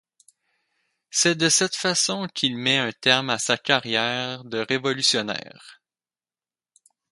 C'est de cette façon qu'il met un terme à sa carrière de révolutionnaire.